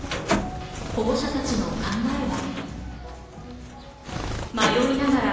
保護者たちの考えは。